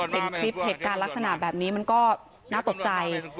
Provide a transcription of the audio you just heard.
เห็นคลิปเหตุการณ์ลักษณะแบบนี้มันก็น่าตกใจ